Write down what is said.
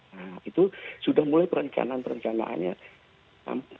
nah itu sudah mulai perencanaan perencanaannya